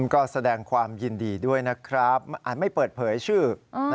ก็แสดงความยินดีด้วยนะครับอาจไม่เปิดเผยชื่อ